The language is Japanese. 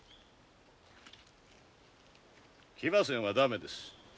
騎馬戦は駄目です。